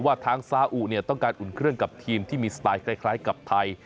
ว่าทางซาอุต้องการอุ่นเครื่องกับทีมที่มีสไตล์คล้ายกับไทย